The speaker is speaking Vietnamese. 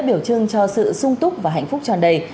biểu trưng cho sự sung túc và hạnh phúc tràn đầy